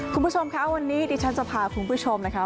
คุณผู้ชมคะวันนี้ดิฉันจะพาคุณผู้ชมนะคะ